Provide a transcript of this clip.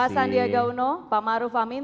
sandiaga uno pak maruf amin